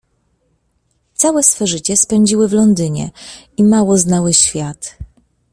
"Całe swe życie spędziły w Londynie i mało znały świat."